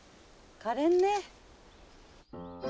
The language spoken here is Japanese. かれんね。